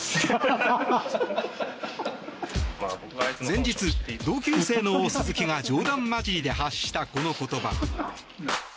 前日、同級生の鈴木が冗談交じりで発したこの言葉。